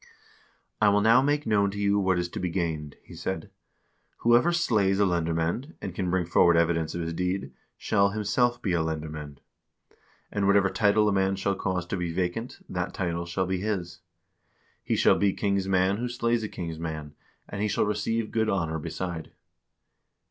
" I will now make known to you what is to be gained," he said: "whoever slays a lendermand, and can bring forward evidence of his deed, shall him self be a lendermand; and whatever title a man shall cause to be vacant, that title shall be his; he shall be king's man who slays a 382 HISTORY OF THE NORWEGIAN PEOPLE king's man, and he shall receive good honor beside."